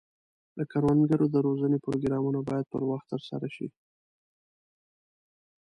د کروندګرو د روزنې پروګرامونه باید پر وخت ترسره شي.